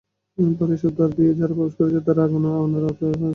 পরে এসব দ্বার দিয়ে যাঁরা প্রবেশ করেছেন, তাঁরা গণনার আওতায় আসেননি।